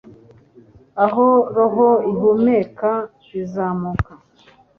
Aho roho ihumeka izamuka